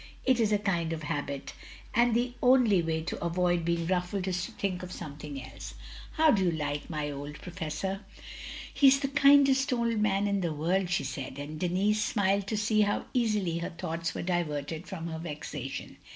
It is a kind of habit, and the only way to avoid being ruffled is to think of something else. How do you like my old professor?" "He is the kindest old man in the world," she said, and Denis smiled to see how easily her thoughts were diverted from her vexation.